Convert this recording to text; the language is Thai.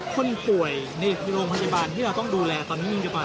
คนป่วยในโรงพยาบาลที่เราต้องดูแลตอนนี้ดีกว่า